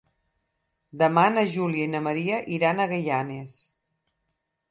Demà na Júlia i na Maria iran a Gaianes.